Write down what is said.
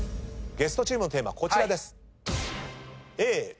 ゲストチームのテーマこちらです。